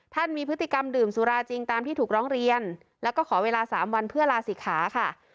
มีพฤติกรรมดื่มสุราจริงตามที่ถูกร้องเรียนแล้วก็ขอเวลา๓วันเพื่อลาศิกขาค่ะ